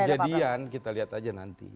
kejadian kita lihat aja nanti